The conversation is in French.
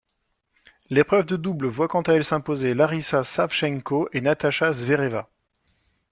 L'épreuve de double voit quant à elle s'imposer Larisa Savchenko et Natasha Zvereva.